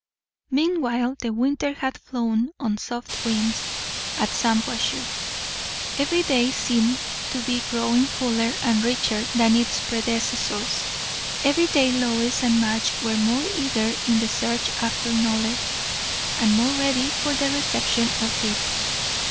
Meanwhile the winter had "flown on soft wings" at Shampuashuh. Every day seemed to be growing fuller and richer than its predecessors; every day Lois and Madge were more eager in the search after knowledge, and more ready for the reception of it.